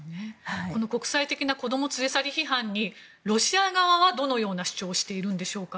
国際的な子供連れ去り批判にロシア側はどんな主張をしているんでしょうか。